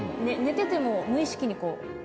寝てても無意識に、こう。